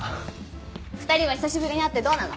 ２人は久しぶりに会ってどうなの？